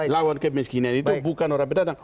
lawan kemiskinan itu bukan orang yang datang